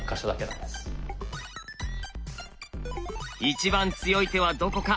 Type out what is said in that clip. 一番強い手はどこか。